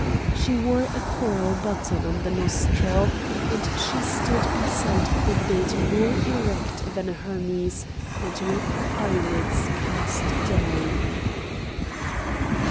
She wore a coral button on the nostril, and she stood beside the bed more erect than a Hermes, and with her eyelids cast down.